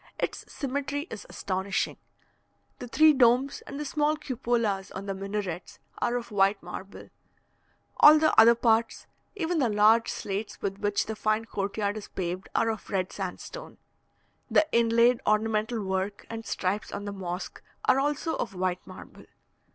Its symmetry is astonishing. The three domes, and the small cupolas on the minarets, are of white marble; all the other parts, even the large slates with which the fine court yard is paved, are of red sandstone. The inlaid ornamental work and stripes on the mosque, are also of white marble.